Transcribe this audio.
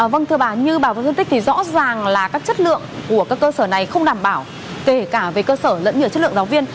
vâng thưa bà như bà phân tích thì rõ ràng là các chất lượng của các cơ sở này không đảm bảo kể cả về cơ sở lẫn như chất lượng giáo viên